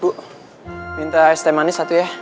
bu minta es teh manis satu ya